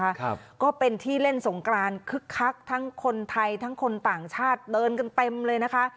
ครับก็เป็นที่เล่นสงกรานคึกคักทั้งคนไทยทั้งคนต่างชาติเดินกันเต็มเลยนะคะ